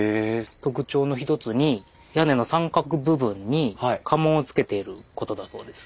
特徴の一つに屋根の三角部分に家紋をつけていることだそうです。